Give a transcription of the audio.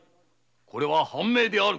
これは藩命である。